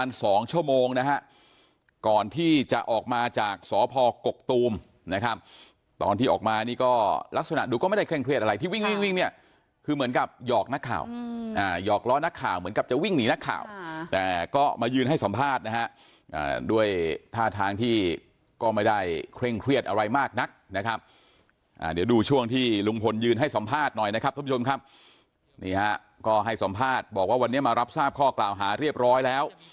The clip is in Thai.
ตอนที่จะออกมาจากสอพอกกตูมนะครับตอนที่ออกมานี่ก็ลักษณะดูก็ไม่ได้เคร่งเครียดอะไรที่วิ่งเนี่ยคือเหมือนกับหยอกนักข่าวหยอกล้อนนักข่าวเหมือนกับจะวิ่งหนีนักข่าวแต่ก็มายืนให้สัมภาษณ์นะฮะด้วยท่าทางที่ก็ไม่ได้เคร่งเครียดอะไรมากนักนะครับเดี๋ยวดูช่วงที่ลุงพลยืนให้สัมภาษณ์หน่อยนะ